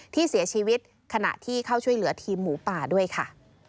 ที่เสียชีวิตขณะที่เข้าช่วยเหลือทีมหมูป่าด้วยค่ะ